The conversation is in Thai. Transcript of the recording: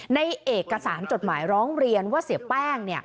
ในเอกสารจดหมายร้องเรียนว่าเสียแป้ง